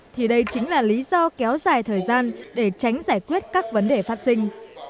thì đây chính là lý do kéo dài thời gian để tránh giải quyết các vấn đề phát sinh